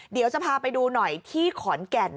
เดี๋ยวจะพาไปดูหน่อยที่ขอนแก่น